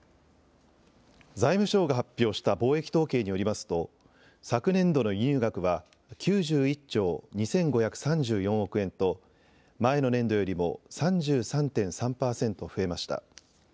財務省が発表した貿易統計によりますと昨年度の輸入額は９１兆２５３４億円と前の年度よりも３３．３％増えました。